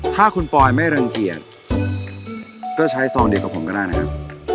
ถ้าคุณปอยไม่รังเกียจก็ใช้ซองเดียวกับผมก็ได้นะครับ